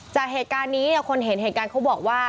จากเหตุการณ์นี้เนี่ยคนเห็นเหตุการณ์เขาบอกว่า